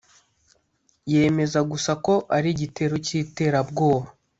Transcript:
yemeza gusa ko ari igitero cy’iterabwoba